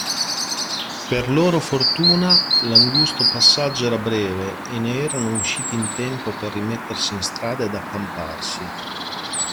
Per loro fortuna, l'angusto passaggio era breve e ne erano usciti in tempo per rimettersi in strada ed accamparsi.